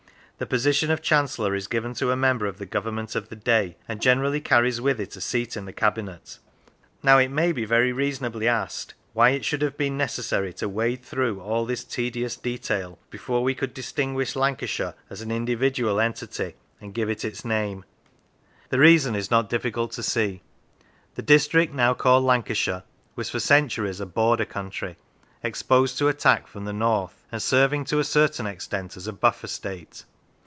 The position of Chancellor is given to a member of the Government of the day, and generally carries with it a seat in the Cabinet. Now it may very reasonably be asked why it should have been necessary to wade through all this tedious detail before we could distinguish Lancashire as an 64 How It Came into Being individual entity and give it its name. The reason is not difficult to see. The district now called Lan cashire was for centuries a Border country, exposed to attack from the north, and serving to a certain extent as a buffer state.